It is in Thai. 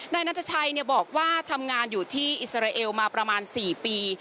นายนัทชัยบอกว่าทำงานอยู่ที่อิสราเอลมาประมาณ๔ปี